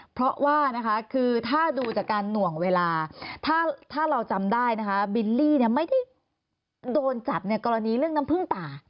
เพราะว่านะคะคือถ้าดูจากการหน่วงเวลาถ้าเราจำได้นะคะบิลลี่ไม่ได้โดนจับกรณีเรื่องน้ำผึ้งป่า